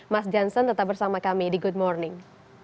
mas jansen tetap bersama kami di good morning